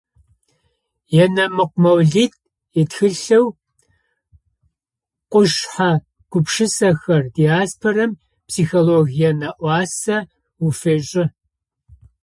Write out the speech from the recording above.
Енэмыкъо Моулид итхылъэу «Къушъхьэ гупшысэхэр» диаспорэм ипсихологие нэӏуасэ уфешӏы.